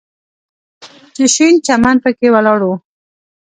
چې شين چمن پکښې ولاړ و.